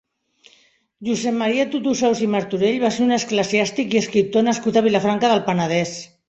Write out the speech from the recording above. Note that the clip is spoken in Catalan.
Josep Maria Totosaus i Martorell va ser un esclesiàstic i escriptor nascut a Vilafranca del Penedès.